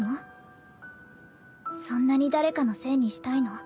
そんなに誰かのせいにしたいの？